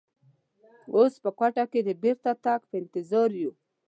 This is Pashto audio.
اوس په کوټه کې د بېرته تګ په انتظار یو.